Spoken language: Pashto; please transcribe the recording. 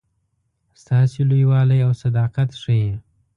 ستاسي لوی والی او صداقت ښيي.